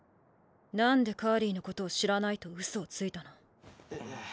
なんでカーリーのことを知らないと嘘をついたの？。